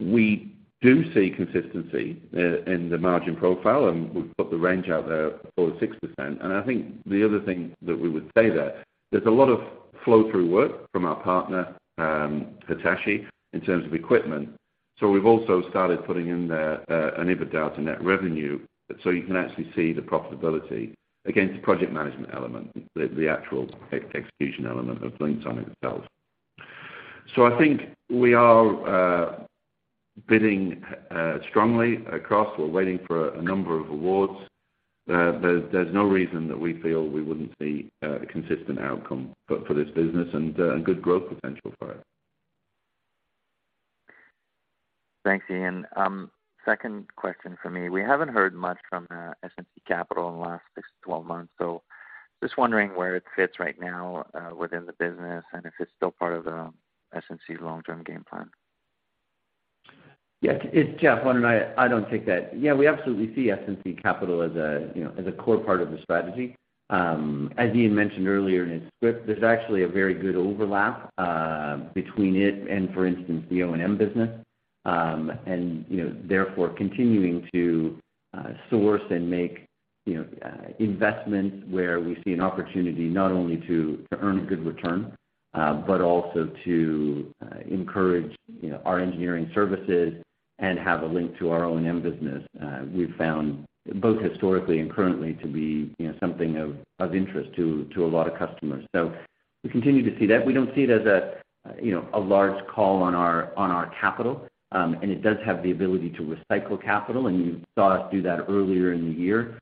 We do see consistency in the margin profile, and we've put the range out there of over 6%. I think the other thing that we would say there's a lot of flow-through work from our partner Hitachi in terms of equipment. We've also started putting in there a snippet of data on net revenue so you can actually see the profitability against the project management element, the actual execution element of Linxon itself. I think we are bidding strongly across. We're waiting for a number of awards. There's no reason that we feel we wouldn't see a consistent outcome for this business and good growth potential for it. Thanks, Ian. Second question for me. We haven't heard much from SNC-Lavalin Capital in the last 6-12 months. Just wondering where it fits right now, within the business and if it's still part of the SNC's long-term game plan. It's Jeff. I don't think that. We absolutely see SNC-Lavalin Capital as a, you know, as a core part of the strategy. As Ian mentioned earlier in his script, there's actually a very good overlap between it and, for instance, the O&M business. You know, therefore continuing to source and make, you know, investments where we see an opportunity not only to earn a good return, but also to encourage, you know, our engineering services and have a link to our O&M business, we've found both historically and currently to be, you know, something of interest to a lot of customers. So we continue to see that. We don't see it as a, you know, a large call on our capital. It does have the ability to recycle capital, and you saw us do that earlier in the year.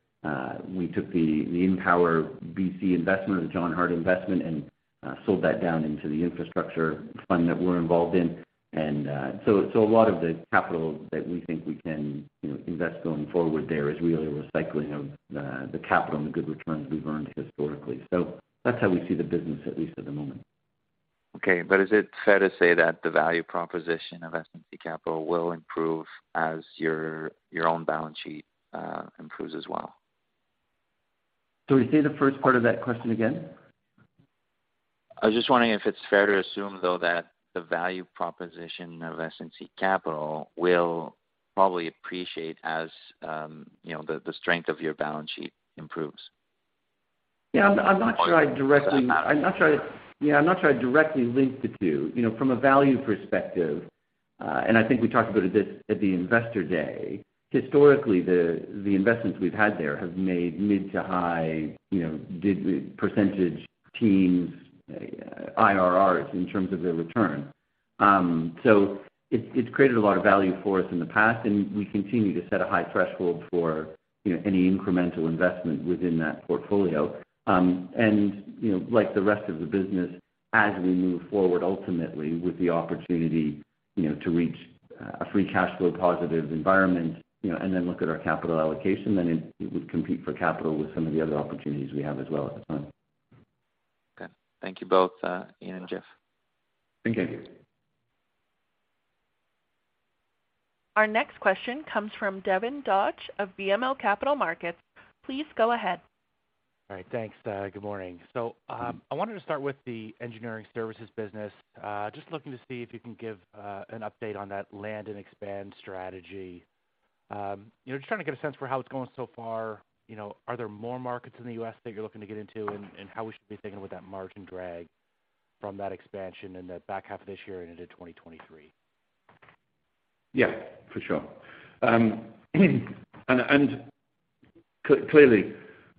We took the InPower BC investment or the John Hart investment and Sold that down into the infrastructure fund that we're involved in. So a lot of the capital that we think we can invest going forward there is really a recycling of the capital and the good returns we've earned historically. That's how we see the business, at least at the moment. Okay. Is it fair to say that the value proposition of SNC-Lavalin Capital will improve as your own balance sheet improves as well? Say the first part of that question again. I was just wondering if it's fair to assume though, that the value proposition of SNC-Lavalin Capital will probably appreciate as, you know, the strength of your balance sheet improves. I'm not sure I'd directly link the two. From a value perspective, and I think we talked a bit at the Investor Day. Historically, the investments we've had there have made mid to high-teens IRRs in terms of their return. So it's created a lot of value for us in the past, and we continue to set a high threshold for any incremental investment within that portfolio. The rest of the business, as we move forward, ultimately with the opportunity to reach a free cash flow positive environment, you know, and then look at our capital allocation, then it would compete for capital with some of the other opportunities we have as well at the time. Okay. Thank you both, Ian and Jeff. Thank you. Thank you. Our next question comes from Devin Dodge of BMO Capital Markets. Please go ahead. All right. Thanks, good morning. I wanted to start with the engineering services business. Just looking to see if you can give an update on that land and expand strategy. You know, just trying to get a sense for how it's going so far. You know, are there more markets in the US that you're looking to get into and how we should be thinking about that margin drag from that expansion in the back half of this year and into 2023. For sure. Clearly,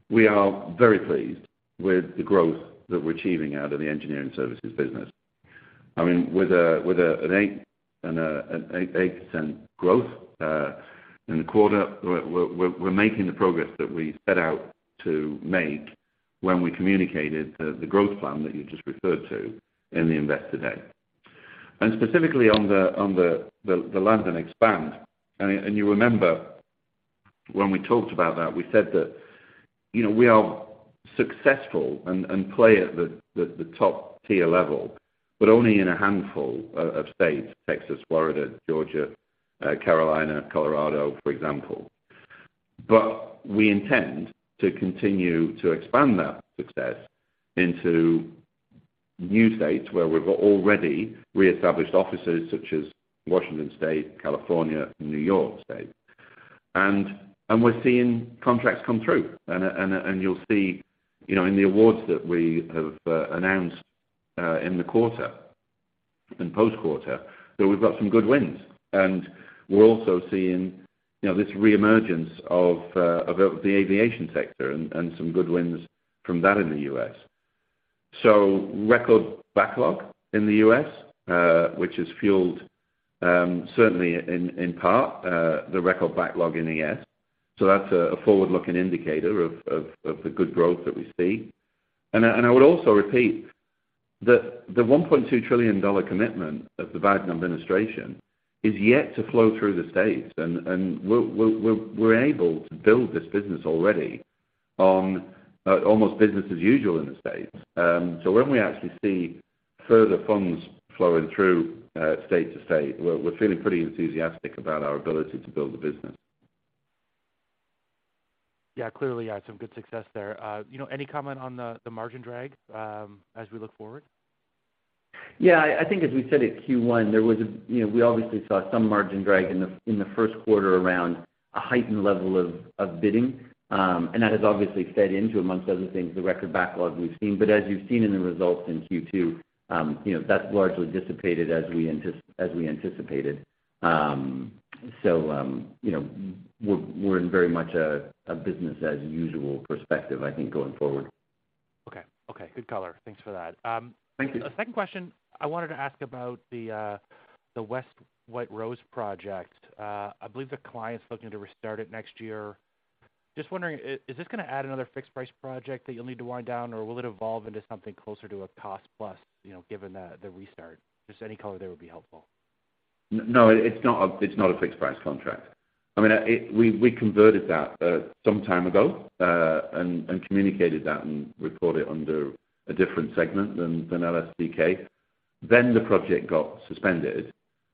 we are very pleased with the growth that we're achieving out of the engineering services business. With an 8% growth in the quarter, we're making the progress that we set out to make when we communicated the growth plan that you just referred to in the Investor Day. Specifically on the land and expand, you remember when we talked about that, we said that, you know, we are successful and play at the top tier level, but only in a handful of states, Texas, Florida, Georgia, Carolina, Colorado, for example. We intend to continue to expand that success into new states where we've got already re-established offices such as Washington State, California, and New York State. We're seeing contracts come through. You'll see, you know, in the awards that we have announced in the quarter and post-quarter that we've got some good wins. We're also seeing, you know, this reemergence of the aviation sector and some good wins from that in the U.S. Record backlog in the U.S., which has fueled, certainly in part, the record backlog in ES. That's a forward-looking indicator of the good growth that we see. I would also repeat that the $1.2 trillion commitment of the Biden administration is yet to flow through the States. We're able to build this business already on almost business as usual in the States. When we actually see further funds flowing through, state to state, we're feeling pretty enthusiastic about our ability to build the business. Clearly, some good success there. Any comment on the margin drag as we look forward? I think as we said at Q1, there was, you know, we obviously saw some margin drag in the first quarter around a heightened level of bidding. That has obviously fed into, among other things, the record backlog we've seen. As you've seen in the results in Q2 that's largely dissipated as we anticipated. We're in very much a business as usual perspective, I think, going forward. Okay. Good color. Thanks for that. Thank you. A second question, I wanted to ask about the West White Rose project. I believe the client's looking to restart it next year. Just wondering, is this gonna add another fixed price project that you'll need to wind down, or will it evolve into something closer to a cost plus given the restart? Just any color there would be helpful. No, it's not a fixed price contract. I mean, we converted that some time ago, and communicated that and recorded under a different segment than LSTK. The project got suspended,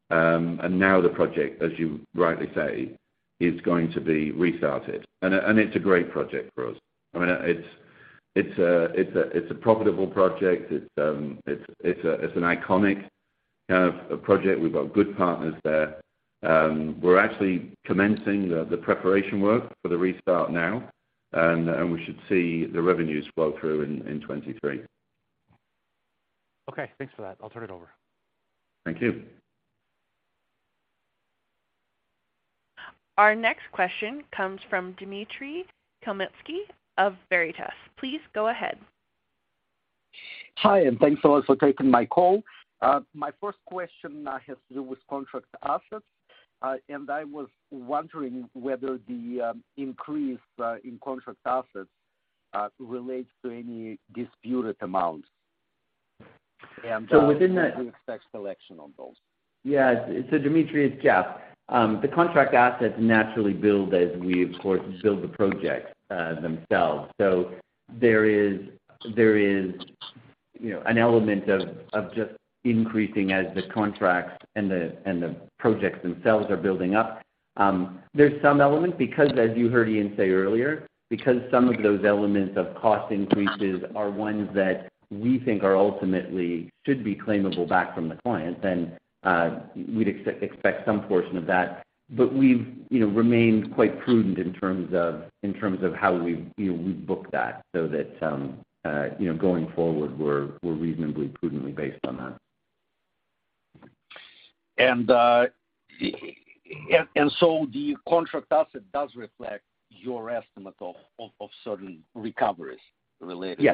and now the project, as you rightly say, is going to be restarted. It's a great project for us. I mean, it's a profitable project. It's an iconic a project. We've got good partners there. We're actually commencing the preparation work for the restart now, and we should see the revenues flow through in 2023. Okay, thanks for that. I'll turn it over. Thank you. Our next question comes from Dimitry Khmelnitsky of Veritas. Please go ahead. Hi, and thanks a lot for taking my call. My first question has to do with contract assets. I was wondering whether the increase in contract assets relates to any disputed amounts. Do you expect collection on those? Dimitry, it's Jeff. The contract assets naturally build as we, of course, build the projects themselves. There is, you know, an element of just increasing as the contracts and the projects themselves are building up. There's some element because as you heard Ian say earlier, because some of those elements of cost increases are ones that we think are ultimately should be claimable back from the client, then we'd expect some portion of that. We've, you know, remained quite prudent in terms of how we, you know, we book that so that, you know, going forward, we're reasonably prudently based on that. The contract asset does reflect your estimate of certain recoveries related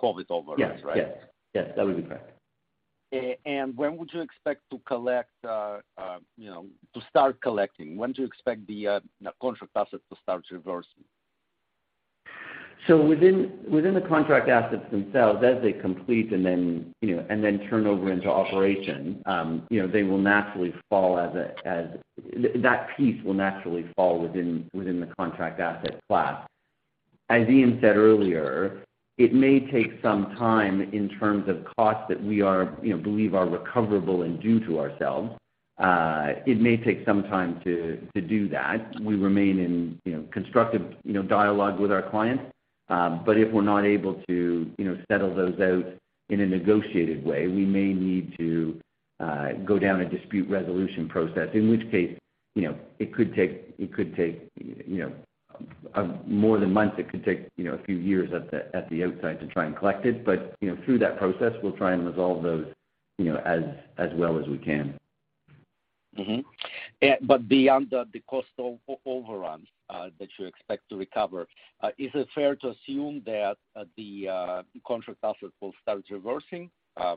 COVID overruns, right? Yes, that would be correct. When would you expect to start collecting? When do you expect the contract assets to start reversing? Within the contract assets themselves, as they complete and turn over into operation, they will naturally fall. That piece will naturally fall within the contract asset class. As Ian said earlier, it may take some time in terms of costs that we believe are recoverable and due to ourselves. It may take some time to do that. We remain in constructive dialogue with our clients. If we're not able to settle those out in a negotiated way, we may need to go down a dispute resolution process. In which case, it could take more than months. It could take a few years at the outside to try and collect it. Through that process, we'll try and resolve those as well as we can. Beyond the cost of overruns that you expect to recover, is it fair to assume that the contract assets will start reversing as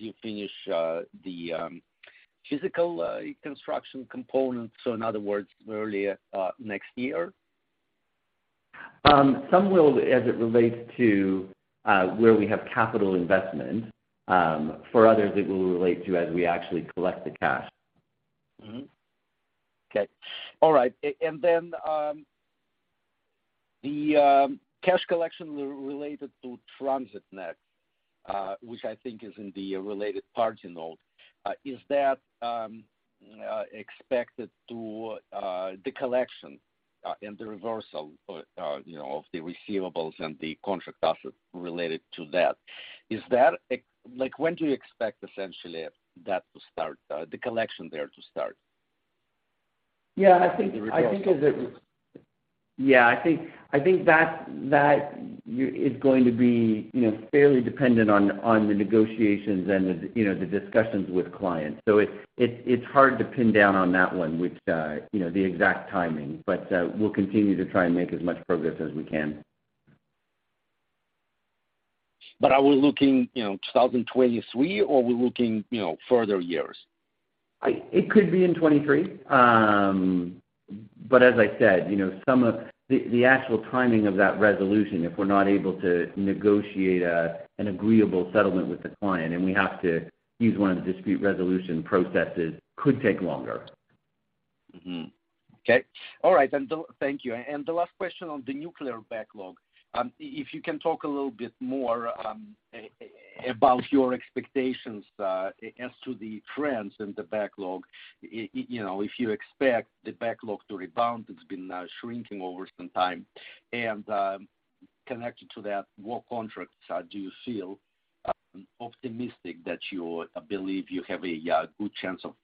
you finish the physical construction components? So in other words, early next year? Some will as it relates to where we have capital investment. For others, it will relate to as we actually collect the cash. The cash collection related to TransitNEXT, which I think is in the related party note, is that expected to the collection and the reversal of the receivables and the contract assets related to that? When do you expect essentially that to start, the collection there? The reversal. I think that it is going to be fairly dependent on the negotiations and the discussions with clients. It's hard to pin down on that one with the exact timing. We'll continue to try and make as much progress as we can. Are we looking 2023, or are we looking further years? It could be in 2023. But as I said some of the actual timing of that resolution, if we're not able to negotiate an agreeable settlement with the client, and we have to use one of the dispute resolution processes, could take longer. All right. Thank you. The last question on the nuclear backlog, if you can talk a little bit more about your expectations as to the trends in the backlog. You know, if you expect the backlog to rebound, it's been shrinking over some time. Connected to that, what contracts do you feel optimistic that you believe you have a good chance of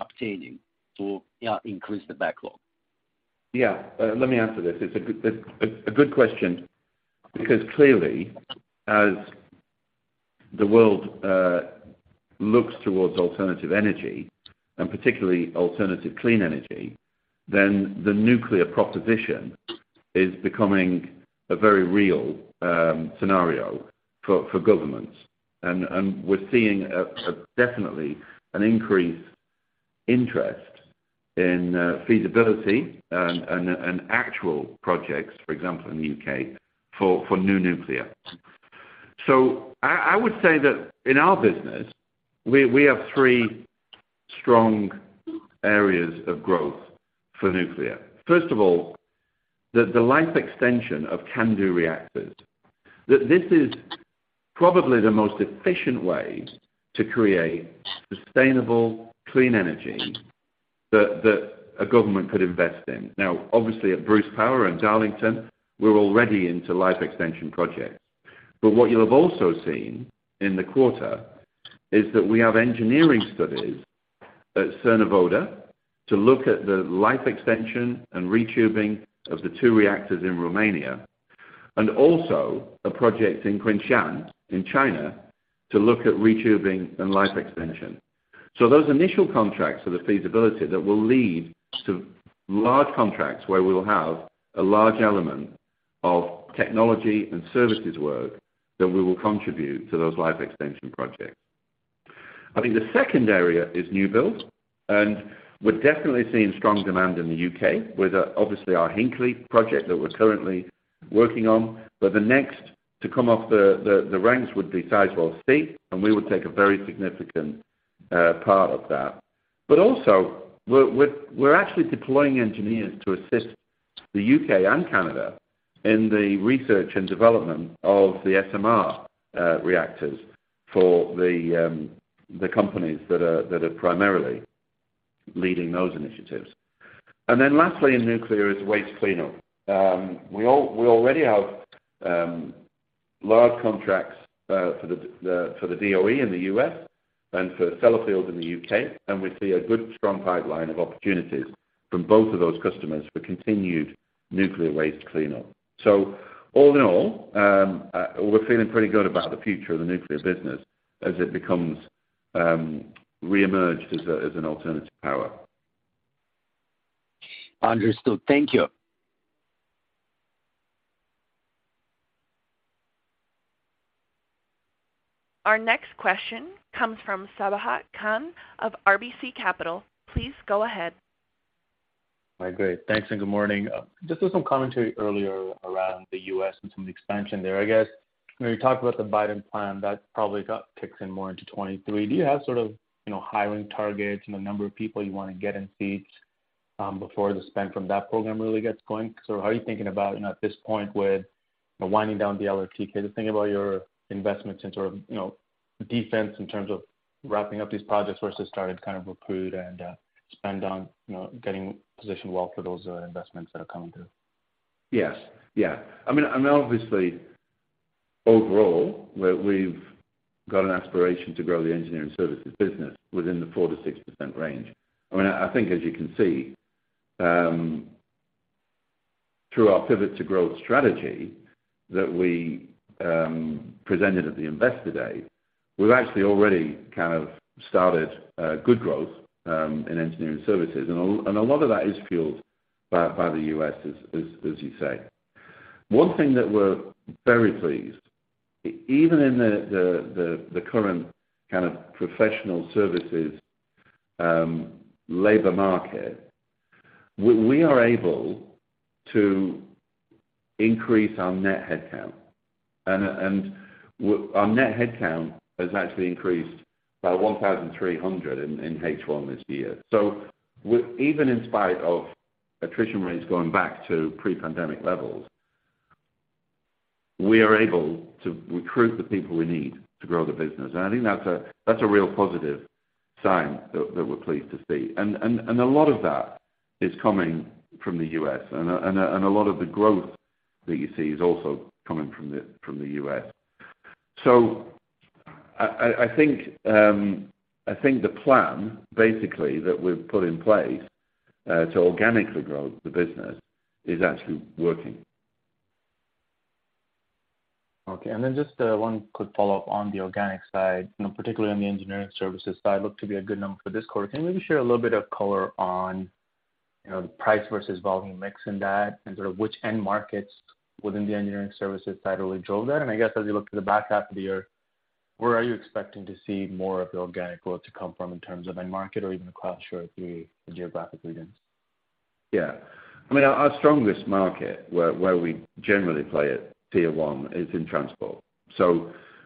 obtaining to increase the backlog? Let me answer this. It's a good question because clearly, as the world looks towards alternative energy, and particularly alternative clean energy, then the nuclear proposition is becoming a very real scenario for governments. We're seeing definitely an increased interest in feasibility and actual projects, for example, in the U.K., for new nuclear. I would say that in our business, we have three strong areas of growth for nuclear. First of all, the life extension of CANDU reactors. That this is probably the most efficient way to create sustainable, clean energy that a government could invest in. Now, obviously at Bruce Power and Darlington, we're already into life extension projects. What you'll have also seen in the quarter is that we have engineering studies at Cernavodă to look at the life extension and retubing of the two reactors in Romania, and also a project in Qinshan in China to look at retubing and life extension. Those initial contracts are the feasibility that will lead to large contracts where we will have a large element of technology and services work that we will contribute to those life extension projects. I think the second area is new build, and we're definitely seeing strong demand in the UK with, obviously our Hinkley project that we're currently working on, where the next to come off the ranks would be Sizewell C, and we would take a very significant part of that. also we're actually deploying engineers to assist the U.K. and Canada in the research and development of the SMR reactors for the companies that are primarily leading those initiatives. Lastly, in nuclear is waste cleanup. We already have large contracts for the DOE in the U.S. and for Sellafield in the U.K., and we see a good, strong pipeline of opportunities from both of those customers for continued nuclear waste cleanup. All in all, we're feeling pretty good about the future of the nuclear business as it becomes reemerged as an alternative power. Understood. Thank you. Our next question comes from Sabahat Khan of RBC Capital Markets. Please go ahead. Great. Thanks, and good morning. Just there was some commentary earlier around the U.S. and some of the expansion there. When you talk about the Biden plan, that probably kicks in more into 2023. Do you have sort of, you know, hiring targets and the number of people you wanna get in seats, before the spend from that program really gets going? How are you thinking about, you know, at this point with winding down the LSTK to think about your investments in terms of, you know, defense in terms of wrapping up these projects versus starting to kind of recruit and, spend on, you know, getting positioned well for those, investments that are coming through? Obviously, overall, we've got an aspiration to grow the engineering services business within the 4%-6% range. I mean, I think as you can see, through our Pivoting to Growth strategy that we presented at the Investor Day, we've actually already kind of started good growth in engineering services, and a lot of that is fueled by the U.S., as you say. One thing that we're very pleased, even in the current kind of professional services labor market, we are able to increase our net headcount. Our net headcount has actually increased by 1,300 in H1 this year. Even in spite of attrition rates going back to pre-pandemic levels, we are able to recruit the people we need to grow the business. I think that's a real positive sign that we're pleased to see. A lot of that is coming from the US, and a lot of the growth that you see is also coming from the US. I think the plan basically that we've put in place to organically grow the business is actually working. Okay. Then just, one quick follow-up on the organic side, you know, particularly on the engineering services side, looked to be a good number for this quarter. Can you maybe share a little bit of color on, you know, the price versus volume mix in that and sort of which end markets within the engineering services side really drove that? I guess as you look to the back half of the year, where are you expecting to see more of the organic growth to come from in terms of end market or even across your three geographic regions? I mean, our strongest market where we generally play at tier one is in transport.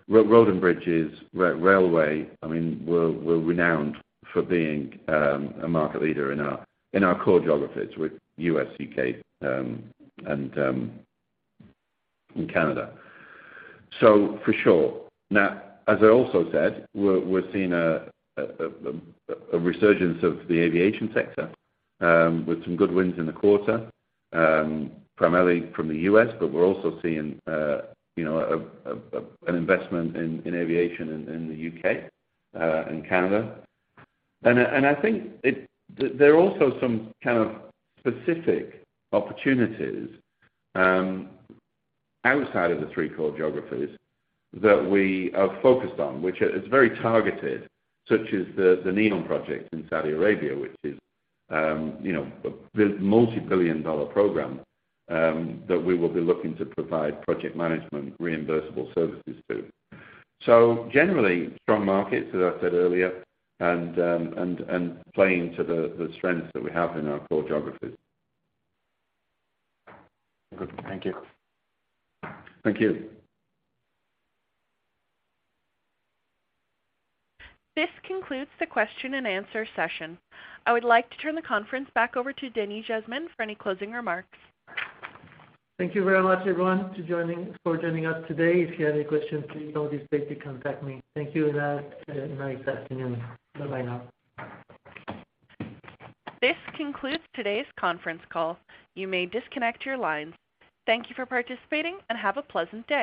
Road and bridges, railway, I mean, we're renowned for being a market leader in our core geographies with U.S., U.K., and Canada. For sure. Now, as I also said, we're seeing a resurgence of the aviation sector with some good wins in the quarter, primarily from the U.S., but we're also seeing, you know, an investment in aviation in the U.K. and Canada. I think there are also some specific opportunities outside of the three core geographies that we are focused on, which is very targeted, such as the NEOM project in Saudi Arabia, which is this multi-billion-dollar program that we will be looking to provide project management reimbursable services to. Generally, strong markets, as I said earlier, and playing to the strengths that we have in our core geographies. Good. Thank you. Thank you. This concludes the question and answer session. I would like to turn the conference back over to Denis Jasmin for any closing remarks. Thank you very much, everyone, for joining us today. If you have any questions, please don't hesitate to contact me. Thank you and have a nice afternoon. Bye now. This concludes today's conference call. You may disconnect your lines. Thank you for participating and have a pleasant day.